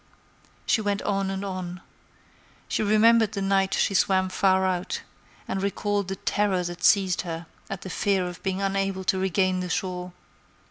She went on and on. She remembered the night she swam far out, and recalled the terror that seized her at the fear of being unable to regain the shore.